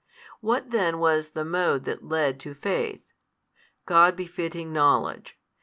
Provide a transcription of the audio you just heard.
What then was the mode that led to faith? God befitting knowledge.